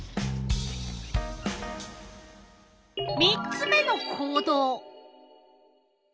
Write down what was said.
３つ目の行動。